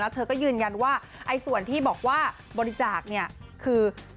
เธอก็ยืนยันว่าส่วนที่บอกว่าบริจาคเนี่ยคือ